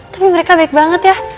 tapi mereka baik banget ya